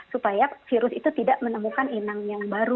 supaya virus itu tidak menemukan inang yang baru